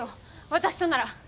私となら。